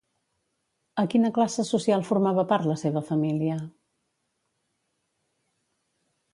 A quina classe social formava part la seva família?